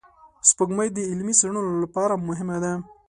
سپوږمۍ د علمي څېړنو لپاره مهمه ده